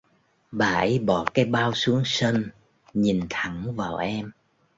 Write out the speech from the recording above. bà ấy bỏ cái bao xuống sân nhìn thẳng vào em